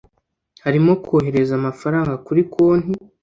harimo kohereza amafaranga kuri konti